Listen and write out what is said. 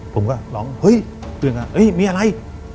ผมก็ร้องเฮ้ยเพื่อนก็มีอะไร